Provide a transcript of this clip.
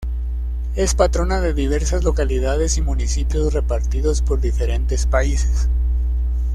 Es patrona de diversas localidades y municipios repartidos por diferentes países.